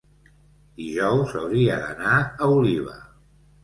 Dijous hauria d'anar a Oliva.